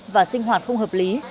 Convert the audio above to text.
và sinh hoạt không hợp lý